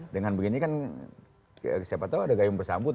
dengan begini kan siapa tahu ada gayung bersambut